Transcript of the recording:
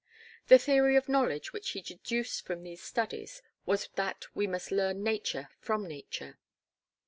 The theory of knowledge which he deduced from these studies was that we must learn nature from nature.